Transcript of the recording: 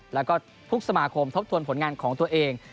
แล้วก็ทุกสมาคมทบทวนผลงานของตัวเอง